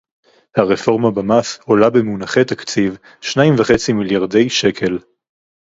הרפורמה במס עולה במונחי תקציב שניים וחצי מיליארדי שקל